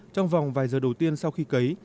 trong vòng vài giờ đầu tiên sau khi kế